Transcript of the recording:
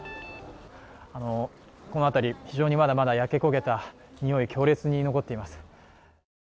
この辺り、非常にまだまだ焼け焦げた臭い強烈に残っています。